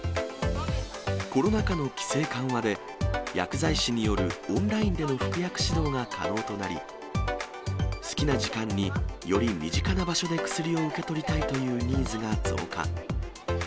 コロナ禍の規制緩和で、薬剤師によるオンラインでの服薬指導が可能となり、好きな時間により身近な場所で薬を受け取りたいというニーズが増加。